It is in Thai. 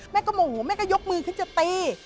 แม่ก็โมโหแม่ก็ยกมือขึ้นจะตี